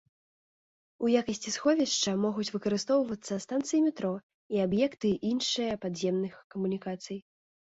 У якасці сховішча могуць выкарыстоўвацца станцыі метро і аб'екты іншыя падземных камунікацый.